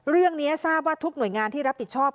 เรื่องนี้ทราบว่าทุกหน่วยงานที่รับผิดชอบ